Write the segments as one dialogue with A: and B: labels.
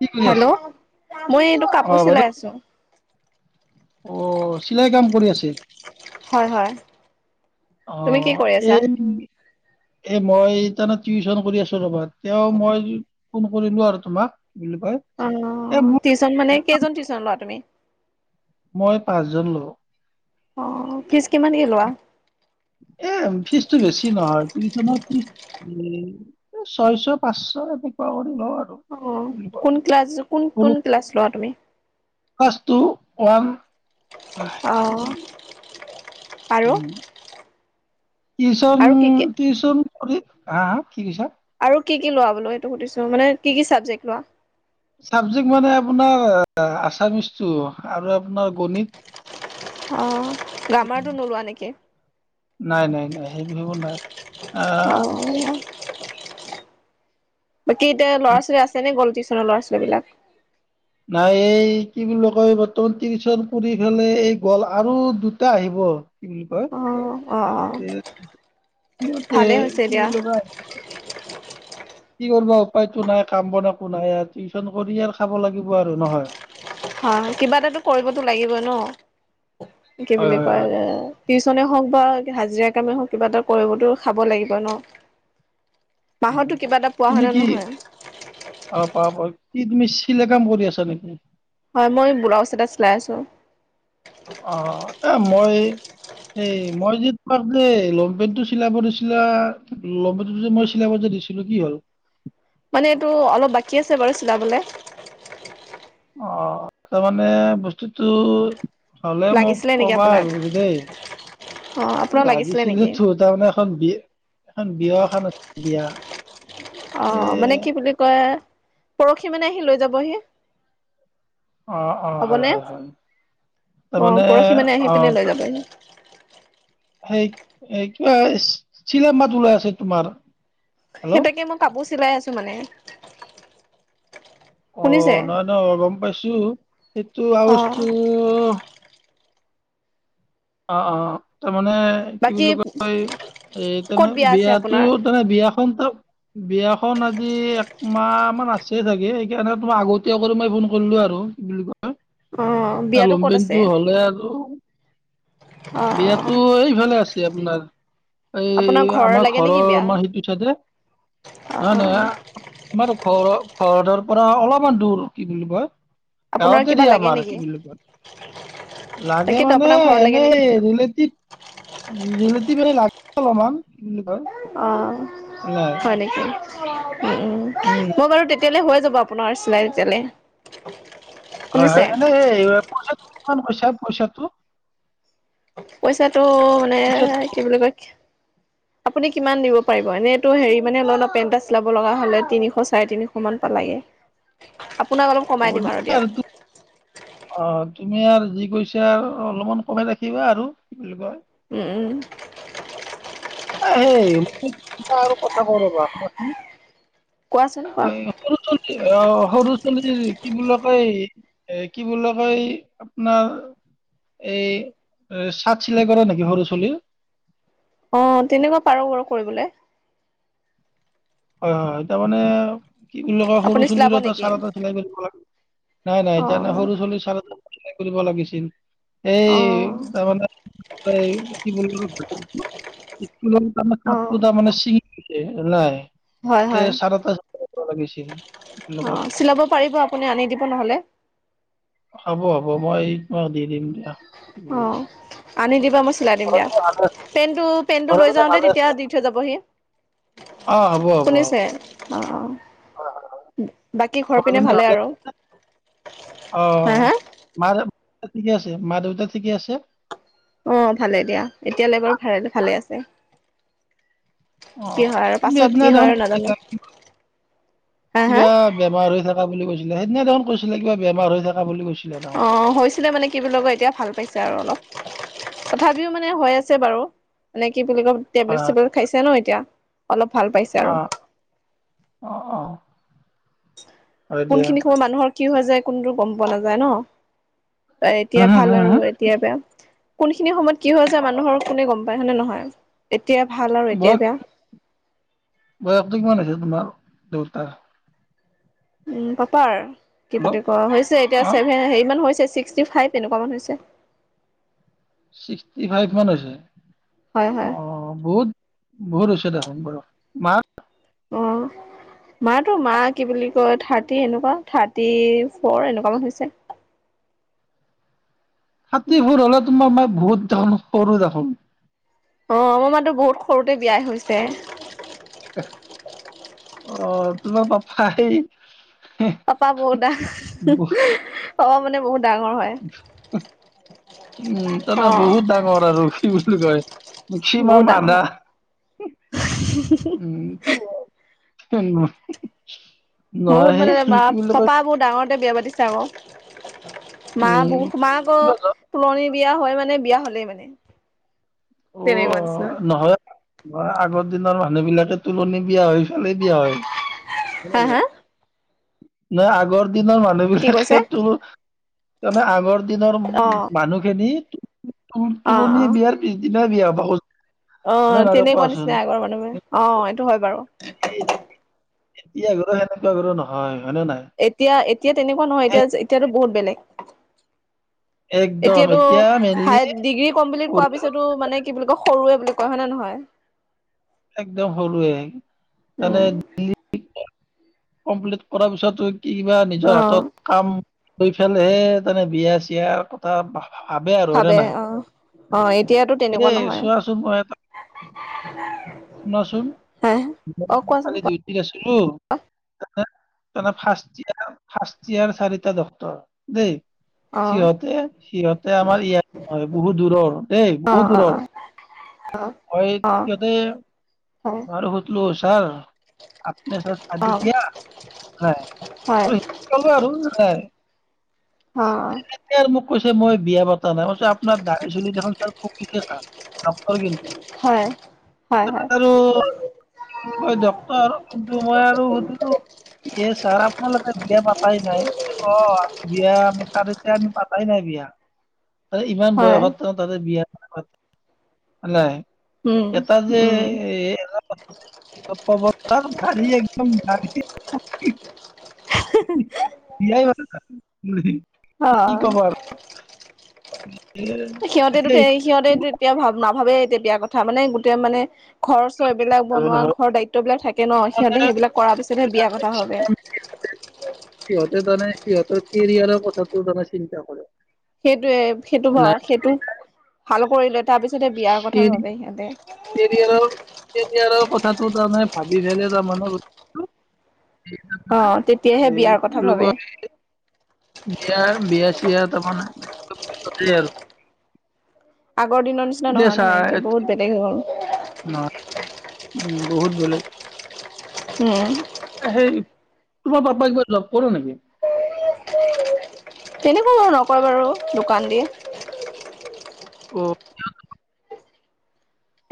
A: কি কৰি আছে?
B: হেল্ল' মই এতিয়া
A: অ
B: কাপোৰ
A: বাইদেউ
B: চিলাই আছো।
A: অ চিলাই কাম কৰি আছিল
B: হয় হয় তুমি কি
A: আহ
B: কৰি আছা
A: এই এ মই তাৰমানে টিউচন কৰি আছো ৰবা তেওঁ মই ফোন কৰিলো আৰু তোমাক কি বুলি কয়
B: অ
A: এ মোৰ
B: টিউশ্যন মানে কেইজন টিউশ্যন লোৱা তুমি?
A: মই পাঁচজন লওঁ।
B: অ ফিজ কিমান কে লোৱা?
A: এ ফিজতটো বেছি নহয় টউশনৰ ফিজ ছয়শ পাঁচশ এনেকুৱা কৰি লওঁ আৰু
B: অ
A: কি বুলি কয়,
B: কোন ক্লছ ক কোন ক্লছ লোৱা তুমি?
A: ক্লাছ টো ৱান হয়।
B: অ আৰু
A: উম টিউচন
B: আৰু কি কি
A: টিউচন কৰি হা হা কি কৈছা?
B: আৰু কি কি লোৱা বোল এইটো সুধিছো মানে কি কি চাবেক্ট লোৱা?
A: চাবজেক্ট মানে আপোনাৰ আছামিচটো আৰু আপোনাৰ
B: অ
A: গণিত
B: গ্ৰামাৰটো নোলোৱা নেকি
A: নাই নাই নাই সেই বিহ বোৰ নাই আহ
B: অ বাকী এতিয়া ল'ৰা ছোৱালী আছে নে গ'ল টিউচনৰ ল'ৰা ছোৱালীবলাক
A: নাই এই কি বুলি কয় বৰ্তমান টিউচন কৰি পেলাই এই গ'ল, আৰু দুটা আহিব, কি বুলি কয়,
B: অ অ অ
A: কি সি'হতে
B: ভালেই হৈছে
A: কি
B: দিয়া
A: বুলি ক'য় কি কৰ্বা উপায় টো নাই। কাম বন একো নাই, টিউচন কৰি এ খাব লা আৰু নহয়।
B: অ কিবা এটাতো কৰিবতো লাগিব ন। কি
A: হয়
B: বুলি
A: হয়
B: কয়
A: হয়
B: এ টিউচনে হওঁক কিবা হাজিৰা কামে হওক কিবা এটা কৰিবতো খাব লাগিব ন,
A: উ
B: মাহতো কিবা এটা পোৱা হয়
A: তুমি
B: নে
A: কি
B: নহয়?
A: অ প প কি তুমি চিলাই কাম কৰি আছা নেকি?
B: হয় মই ব্লাউজ এটা চিলাই আছোঁ।
A: অ' এ' মই এই মই যে তোমাক যে লংপেণ্টটো চিলাব দিছিলা লংপণ্টোটো যে মই চিলাব যে দিছিলো কি হ'ল?
B: মানে এইটো অলপ বাকী আছে বাৰু চিলাবলে।
A: অ' ত মানে বস্তুতোটো হ'লে মোক
B: লাগিছিলে নেকি
A: কবা
B: আপোনাক?
A: আৰু দেই
B: অ' আপোনাক
A: লাগিছিলে
B: নেকি?
A: টো তাৰমানে এখন বিয়া এখন বিয়া এখন আছিল বিয়া।
B: অ মানে
A: এই
B: কি বুলি কয় পৰহি মানে আহি লৈ যাবহি
A: অ অ হয়
B: হ'বনে?
A: হয় হয় তাৰ
B: অ'
A: মানে
B: পৰহি আহি
A: অ
B: পিনে লৈ যাবহি।
A: সেই কিবা চিল মাত ওলাই আছে তোমাৰ হেল্ল'
B: সেইটাকে মই কাপোৰ চিলাই আছো মানে, [inaudible]
A: অ
B: শুনিছে?
A: নহয় নহয় অ গম পাইছো এইটো
B: অ'
A: আৱজটো অ অ মানে কি
B: বাকী
A: বুলি কয় এ তেনে
B: ক'ত বিয়া আছে
A: বিয়াতো
B: আপোনাৰ?
A: তেনে বিয়াখন ত বিয়াখন আজি একমাহ মান আছে চাগে সেইকাৰণে তোমাক আগতীয়াক মই ফোন কৰিলো আৰু কি বুলি কয়
B: অ' বিয়াটো ক'ত আছে?
A: লংপেণ্টটো হ'লে আৰু
B: অ' অ'
A: বিয়াতো এইফালে আছে আপোনাৰ এই
B: আপোনাৰ
A: আমাৰ
B: লাগে
A: ঘৰৰ
B: নেকি বিয়া?
A: আমাৰ সেইটো চাইদে,
B: অ',
A: নহয় নহয়
B: অ',
A: আমাৰ ঘৰ ঘৰৰ পৰা অলপমান দূৰ, কি বুলি কয়,
B: আপোনাৰ
A: গাঁৱতে
B: কিবা
A: দিয়ে
B: লাগে
A: আমাৰ,
B: নেকি?
A: কি বুলি কয় লাগে
B: তাকেতো
A: মানে
B: আপোনাৰ ঘৰ লাগে নেকি?
A: এনেই জিলট মানে লাগে অলপমান কি বুলি কয়, [unintelligible]
B: অ
A: নাই
B: হয় নেকি
A: উম
B: মই বাৰু তে তেতিয়ালৈ হৈ যাব আপোনাৰ চিলাই তেতিয়ালৈ
A: হয় হয়
B: শুনিছে?
A: এ এই পি মান কৈচা পইছাতো! [unintelligible]
B: পইচাটো মানে কি বুলি কয়, আপুনি কিমান দিব পাৰিব এনেইটো হেৰি মানে অল অলপ পেন এটা চিলাব লগা হলে তিনিশ চাৰে তিনিশ মান পালাগে আপোনাক অলপ
A: হ'ব
B: কমাই দিম আৰু
A: দিয়া
B: দিয়ক,
A: তু অ' তুমি আৰু যি কৈছা আৰু অলপমান কমাই ৰাখিবা আৰু কি বুলি কয়,
B: উম উম
A: সেই আৰু কথা ক'ও ৰ'বা,
B: কোৱাচোন কোৱা?
A: সৰু অ সৰু চলি কি বুলি কয় এ কি বুলি কয় আপোনাৰ এই চাৰ্ট চিলাই কৰে নেকি সৰু ছালীৰ
B: অ তেনেকুৱা পাৰো বাৰু কৰিবলৈ
A: হয় হয় এতিয়া মানে কি বুলি কয় সৰু
B: আপুনি চিলাব
A: চুলিৰ এটা
B: নেকি?
A: চাৰ্টএটা চিলাই কৰিব লাগে, নাই নাই ত নে
B: অ',
A: সৰু চুলিৰ চাৰ্ট এটা কৰিব লাগিছিল, এই তাৰমানে কিল স্কুল তাৰমান
B: অ', অ'।
A: ছাত্ৰটো তাৰমানে [unintelligible] নাই।
B: হয়
A: এ
B: হয়,
A: চাৰে এটা কৰিব লাগিছিল কি বুলি কয়
B: অ' চিলাব পাৰিব আপুনি আনি দিব নহলে?
A: হ'ব হ'ব মই মই দি দিম দিয়া। কি বুলি কয়
B: অ' আনি দিবা মই চিলাই দিম
A: ঘৰৰ
B: দিয়া,
A: পিনে ভালে আছে?
B: পেণ্টটো পেণ্টটো
A: ঘৰৰ
B: লৈ
A: পিনে
B: যাওঁতে
A: ভালে
B: তেতিয়া
A: আছে
B: দি থৈ যাবহি,
A: অ হ'ব হ'ব হ'ব
B: শুনিছে?
A: হয়
B: অ'
A: হয় হয়
B: অ' বাকী ঘৰ পিনে ভালে আৰু?
A: অ
B: হা হা
A: মা ঠিকে আছে মা দেউতা ঠিকে আছে!
B: অ ভালে দিয়া এতিয়ালৈ বাৰু ভাল ভালে আছে।
A: অ
B: কি হয় আৰু
A: তুমি
B: পাছত
A: সদিনা
B: কি হয়
A: দেখোন
B: আৰু নাজানো হা হা
A: কিবা বেমাৰ হৈ থাকা বুলি কৈছ সেইদিনা দেখোন কৈছিলা, কিবা বেমাৰ হৈ থাকা বুলি কৈছিল
B: অ হৈছিলে মানে কি বুলি কয় এতিয়া ভাল পাইছে আৰু অলপ। তথাপিও মানে হৈ আছে বাৰু, মানে কি বুলি কম,
A: হয়
B: টেবলেট চেবলেট খাই ন, তিয়া অলপ ভাল পাইছে আৰু।
A: হয় অ অ অ হয় দিয়া
B: কোনখিনি সময় মানুহৰ কি হৈ যায় কোনোটো গম পোৱা নাযায় ন?
A: হু
B: এতিয়া
A: হু
B: ভাল
A: হু
B: আৰু
A: হু
B: এতিয়া বেয়া। কোনখিনি সময়ত কি হয় যে
A: অ
B: মানুহৰ কোনে গম পায়, হয়নে নহয়? এতিয়া ভাল আৰু এতিয়া
A: বয়স
B: বেয়া।
A: বয়সটো কিমান আছে তোমাৰ? দৌতা।
B: উম পাপাৰ? কি
A: হেল্ল'
B: পাতি ক হৈছে এতিয়া
A: অ
B: ছেভেন হেৰি মান হৈছে! ছিক্সটি ফাইভ এনেকুৱামান হৈছে
A: ছিক্সটি ফাইভ মান হৈছে!
B: হয়
A: অ
B: হয়
A: বহুত, বহুত হৈছে দেখোন বয়স। মাৰ?
B: অ মাৰটো মা কি বুলি কয় থাৰ্টি এনেকুৱা থাৰ্টি ফৰ এনেকুৱামান হৈছে।
A: থাৰ্টি ফৰ হলে তোমাৰ মা বহুত ডাঙ সৰু দেখোন।
B: অ আমাৰ মাতো বহুত সৰুতে বিয়াই হৈছে।
A: অ তোমাৰ পাপাই
B: পাপা বৌ দা। খোৱা মানে বহুত। ডাঙৰ হয়।
A: উম
B: অ
A: তাতে বহুত ডাঙৰ আৰু কি বুলি কয়? মেক্সিমাম
B: বহুত ডাঙৰ
A: আধা।
B: হয়।
A: হুহ। উম কি হ'ব। কেনেআউ।
B: বহুত মানে মা পাপা বহু ডাঙৰতে বিয়া পাতিছিল। যাওঁ। মা
A: উম
B: বহুতো মাক
A: কিবা জব
B: তুলনিত। বিয়া হয় মানে বিয়া হ'লেই মানে তেনে কোৱা নিচিনা।
A: মা আগৰ দিনৰ মানুহ বিলাকে তুলনি বিয়া হৈ ফালি দিয়া হয়।
B: হা হা
A: নহয় আগৰ আগৰ দিনৰ মানুহ
B: কি কৈছে
A: বিলাকে তো তানে আগৰ দিনৰ
B: অ
A: মানুহ খিনি। তুল
B: অ
A: তুলনি
B: অ
A: বিয়াৰ পিছদিনাই বিয়া। বহুত।
B: অ তেনেকুৱা নিচিনাই আগৰ মানুহে অ এইটো হয় বাৰু
A: উম এতিয়া ঘৰু সেনেকুৱা ঘৰ নহয়। হয় নে নাই?
B: এতিয়া এতিয়া তেনেকুৱা নহয় এতিয়া
A: এ-
B: এতিয়াতো বহুত। বেলেগ
A: একদম
B: এতিয়াতো
A: এতিয়া মেইনলি
B: হাই ডিগ্ৰী কমপ্লিট কৰা
A: পঢ়ি শুনি
B: পিছতো মানে কি বুলি ক সৰুৱে বুলি কোৱা হয় ন নহয়।
A: একদম সৰুৱে মানে
B: উম
A: [inaudible] কমপ্লিট কৰাৰ পিছতো কিবা নিজৰ
B: অ
A: হাতত কাম। সেইফালে হে তেনে বিয়া চিয়াৰ কথা বাহ।
B: ভাবে অ আহ এতিয়াতো তেনেকুৱা
A: এই
B: নহয়
A: চোৱাচোন মই এটা শুনাচোন
B: হ অ কোৱাচোন কোৱা।
A: চুমু। ফাৰ্ষ্ট ফাৰ্ষ্ট ইয়াৰৰ চাৰিটা ডক্টৰ দেই।
B: অ
A: সিহঁতে সিহঁতে আমাৰ ইয়াত নহয় বহুত দূৰৰ দেই
B: অ
A: বহুত
B: অ
A: দূৰৰ।
B: অ
A: মই
B: অ অ
A: সিহঁতে
B: হয়
A: বাৰ সুতলো তৰ [unintelligible]
B: অ হয় অ অ
A: আৰু ম কৈছে মই বিয়া পতা নাই। মই কৈছোঁ আপোনাৰ দাৰি চুলি দেখোন চাৰ পকিছে ছাৰ। ডক্টৰ কিন্তু
B: হয় হয় হয়
A: আৰু ডৰ আৰু কিন্তু মই স এ ছাৰ আপোনালোকে বিয়া পাতাই নাই। অ বিয়া আমি ছাৰ এতিয়া আমি পতাই নাই বিয়া। ত ইমান
B: হয়
A: বয়সত তেওঁ তাতে বিহাৰ নাই।
B: উম
A: এটা যে্
B: উম
A: এ, [unintelligible] [unintelligible] বিয়াই উম।
B: অ। সিহঁতে টো
A: সেই
B: এই সিহঁতে তেতিয়া ভ নাভাবে তেতিয়া কথা মানে, গোটেই মানে ঘৰচ এইবিলাক বনোৱা
A: নহয়
B: ঘৰৰ দায়িত্ববিলাক থাকে কে ন। সিহঁতে
A: তাৰমানে
B: সেইবিলাক কৰাৰ পিছতহে বিয়া কথা ভাবে।
A: সিহঁতে তাৰমানে সিহঁতৰ কেৰিয়াৰৰ কথাটো মানে চিন্তা কৰে।
B: সেইটোয়ে সেইটো
A: নাই
B: সেইটো ভাল কৰিলে তাৰ পিছত বিয়াৰ কথা ভাবে সিহঁতে।
A: আৰু কথাটো তাৰমানে ভাবি ছালে তাৰমানানে
B: অ তেতিয়াহে বিয়াৰ কথা ভাবে।
A: কয় বিয়া বিয়া চিয়া তাৰমানে চব পিছতেই আৰু।
B: আগৰ দিনৰ নিচিনা নহয় নহয়, এতিয়া বহুত বেলেগ হৈ গ'ল।
A: নহয় উম বহুত বেলেগ।
B: উম।
A: সেই তোমাৰ পাপাই কিবা জব কৰে নেকি?
B: তেনেকুৱা বাৰু নকয় বাৰু দোকান দিয়ে।
A: অ'।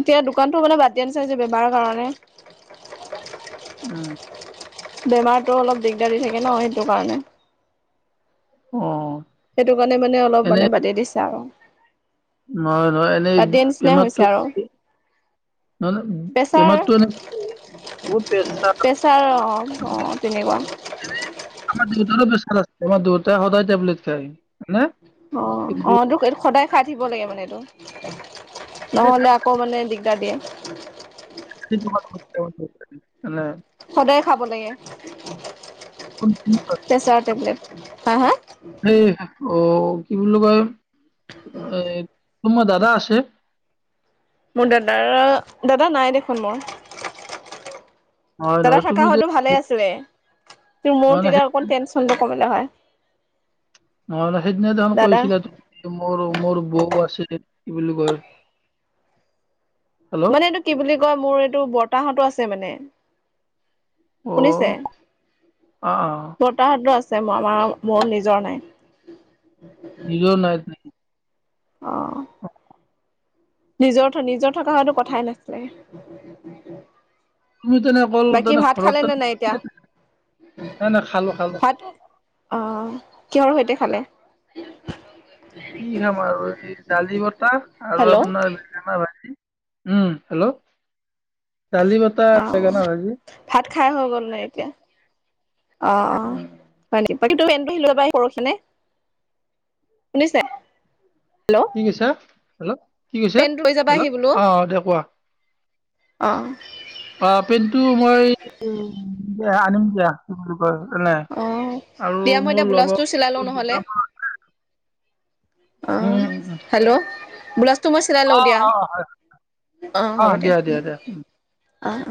B: এতিয়া দোকানতটো মানে বাট দিয়া নিচিনা হৈছে বেমাৰৰ কাৰণে।
A: উম।
B: বেমাৰ তো অলপ দিগদাৰী থাকে ন। সেই কাৰণে
A: অ
B: সেইটো কাৰণে মানে অলপ
A: এনে
B: মানে বতি দিছা আৰু
A: নহয় নহয় এনেই
B: বাদ দিয়া নিচিনাই হৈছে
A: বেমাৰটো
B: আৰু
A: কি
B: প্ৰেছাৰ
A: বহুত
B: প্ৰেছাৰ
A: প্ৰেছাৰ
B: অ অ তেনেকুৱা
A: ৰাস্তা দূৰতে সদায় টেবলেট খায় হয়নে?
B: অ অ এইটো সদায় খাই দিব লাগে মানে এইটো নহ'লে আকৌ মানে দিগদাৰ দিয়ে [unintelligible]
A: সেইটো বাৰু সত্য মানে
B: সদায় খাব লাগে
A: কিন্তু
B: প্ৰেছাৰ টেবলেট হা হা [unintelligible]
A: এই অ কি বুলি কয় [unintelligible] তোমাৰ দাদা আছে
B: মোৰ দাদাৰ দাদা নাই দেখোন মোৰ
A: নহয়
B: দাদা
A: নহয় তুমি
B: থকা
A: যে
B: হয়তো ভালে
A: নহয়
B: আছিলে তোৰ মোৰ
A: নহয় নহয়
B: তেতিয়া অকণ টেনচনটো কমিলে হয়
A: নহয়ানে সেইদিনা ত
B: দাদা
A: কৈছিলা মোৰ মোৰ বৌ আছিল কি বুলি কয় হেল্ল'
B: মানে এইটো কি বুলি কয় মোৰ এইটো টো বতাহঁতো আছে মানে শুনিছে
A: অ', আ, আ,
B: বৰতাহতৰ আছে আমাৰ মোৰ নিজৰ নাই
A: নিজো নাই নেকি
B: অ
A: অ [unintelligible]
B: নিজৰ নিজৰ থকা হয়তো কথাই নাছিলে
A: তুমি তেনে অকল
B: বাকী
A: তেনে
B: ভাত
A: ঘৰত
B: খালে নে নাই?
A: নাই নাই খালো খালো
B: এতিয়া ভাত অ কিহৰ সৈতে খালে
A: কি খাম আৰু এই দালি বটাহ আৰু
B: হেল্ল'।
A: আপোনাৰ বেঙেনা ভাজি উম হেল্ল' দালি আৰু
B: অ
A: বেঙেনা ভাইজি
B: ভাত খাই হৈ গ'ল নে এতিয়া অ অ
A: উম
B: হয় নেকি বাকী তোৰ পেনটা আহিব পৰখিলেই শুনিছে
A: কি কৈছা হেল্ল' কি কৈছে
B: পেণ্ট লৈ যাবাহি
A: হেল্ল'
B: বোলো
A: অ দে কোৱা
B: অ
A: অ পেন্টটো মই আনিম দিয়া হয় এনে
B: অ
A: আৰু
B: দিয়া মই
A: মোৰ
B: এতিয়া ব্লাউজটো চিলাই
A: লগৰ দুটামান আছে
B: অহ হেল্ল' ব্লাউজটো তো মই চিলাই
A: অ
B: লওঁ দিয়া
A: অ হয়
B: অ হ'ব দিয়া অহ অহ